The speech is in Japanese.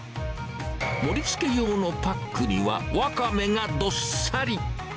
盛りつけ用のパックには、ワカメがどっさり。